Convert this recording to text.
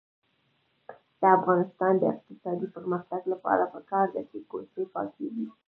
د افغانستان د اقتصادي پرمختګ لپاره پکار ده چې کوڅې پاکې وي.